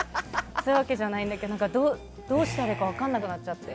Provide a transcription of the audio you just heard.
そういうわけじゃないんだけどどうしたらいいか分からなくなっちゃって。